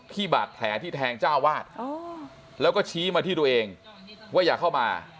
บาดแผลที่แทงเจ้าวาดแล้วก็ชี้มาที่ตัวเองว่าอย่าเข้ามา